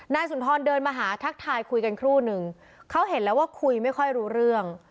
สุนทรเดินมาหาทักทายคุยกันครู่นึงเขาเห็นแล้วว่าคุยไม่ค่อยรู้เรื่อง